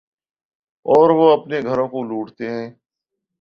اوروہ اپنے گھروں کو لوٹتے ہیں۔